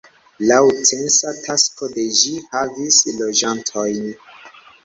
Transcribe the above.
Laŭ censa takso de ĝi havis loĝantojn.